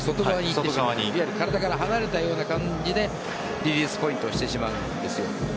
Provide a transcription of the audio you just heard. いわゆる体から離れたような感じでリリースポイントしてしまうんですよ。